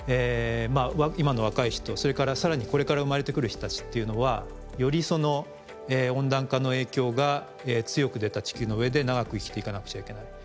今の若い人それからさらにこれから生まれてくる人たちというのはより温暖化の影響が強く出た地球の上で長く生きていかなくちゃいけない。